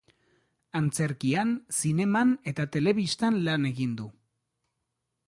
Antzerkian, zineman eta telebistan lan egin du.